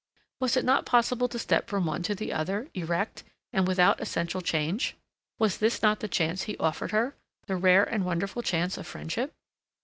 Was it not possible to step from one to the other, erect, and without essential change? Was this not the chance he offered her—the rare and wonderful chance of friendship?